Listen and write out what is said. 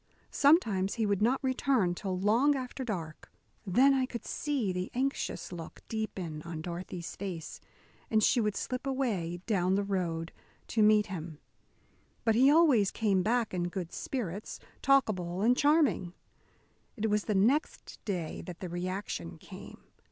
Sometimes he would not return till long after dark. Then I could see the anxious look deepen on Dorothy's face, and she would slip away down the road to meet him. But he always came back in good spirits, talkable and charming. It was the next day that the reaction came.